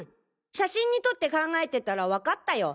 写真に撮って考えてたらわかったよ。